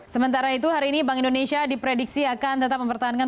sementara itu hari ini bank indonesia diprediksi akan tetap mempertahankan